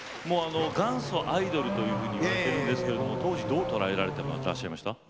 元祖アイドルというふうに言われているんですけれども当時どう捉えられていらっしゃいましたか。